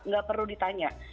gak perlu ditanya